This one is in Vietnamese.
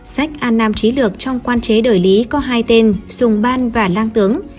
sách an nam trí lược trong quan chế đời lý có hai tên sùng ban và lan tướng